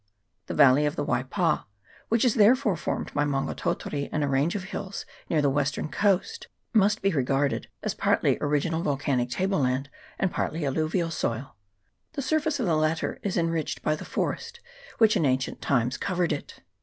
The valley of the Waipa, which is therefore formed by Maunga Tautari and a range of hills near the western coast, must be regarded as partly original volcanic table land, and partly alluvial soil ; the surface of the latter is enriched by the forest which in ancient times covered it.